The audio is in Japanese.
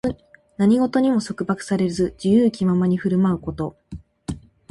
何事にも束縛されず、自由気ままに振る舞うこと。